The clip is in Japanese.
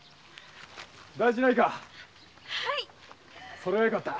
それはよかった。